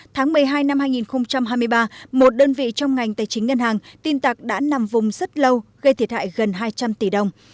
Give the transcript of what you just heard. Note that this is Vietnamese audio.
tháng một mươi hai năm hai nghìn hai mươi ba một đơn vị trong ngành tài chính ngân hàng tin tặc đã nằm vùng rất lâu gây thiệt hại gần hai trăm linh tỷ đồng